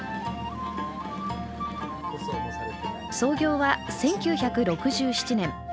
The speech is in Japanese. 創業は１９６７年。